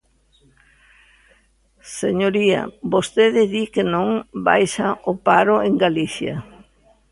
Señoría, vostede di que non baixa o paro en Galicia.